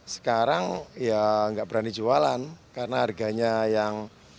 sekarang ya nggak berani jualan karena harganya yang